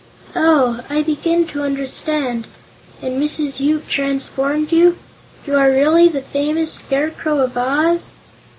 "Oh; I begin to understand. And Mrs. Yoop transformed you? You are really the famous Scarecrow of Oz."